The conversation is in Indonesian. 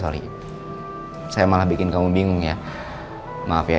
sorry bella sorry saya malah bikin kamu bingung ya maaf ya ini ya hanya angan angan saya aja